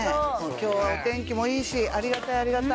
今日はお天気もいいしありがたいありがたい。